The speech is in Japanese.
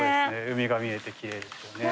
海が見えてきれいですよね。